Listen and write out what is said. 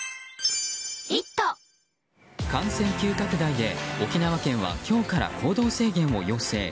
感染急拡大で沖縄県は今日から行動制限を要請。